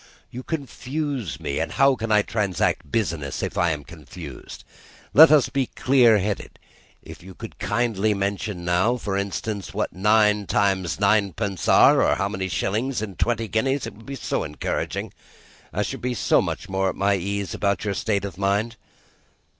You confuse me, and how can I transact business if I am confused? Let us be clear headed. If you could kindly mention now, for instance, what nine times ninepence are, or how many shillings in twenty guineas, it would be so encouraging. I should be so much more at my ease about your state of mind."